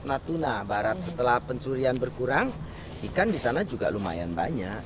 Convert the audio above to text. natuna barat setelah pencurian berkurang ikan di sana juga lumayan banyak